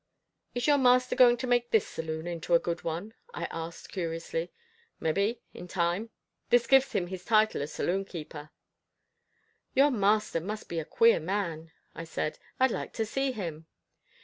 "Is your master going to make this saloon into a good one?" I asked curiously. "Mebbe, in time. This gives him his title of saloon keeper." "Your master must be a queer man," I said. "I'd like to see him."